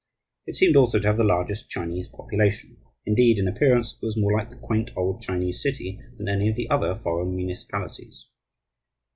It seemed also to have the largest Chinese population; indeed, in appearance it was more like the quaint old Chinese city than any of the other foreign municipalities.